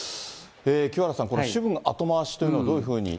清原さん、この主文後回しというのはどういうふうに。